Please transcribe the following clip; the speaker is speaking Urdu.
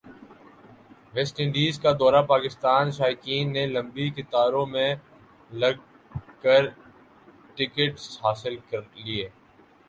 ویسٹ انڈیز کا دورہ پاکستان شائقین نے لمبی قطاروں میں لگ کر ٹکٹس حاصل کرلئے